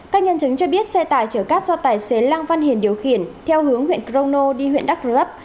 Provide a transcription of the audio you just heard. các nhân chứng cho biết xe tải chở cát do tài xế lăng văn hiền điều khiển theo hướng huyện crono đi huyện đắc rớp